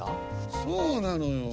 そうなのよ。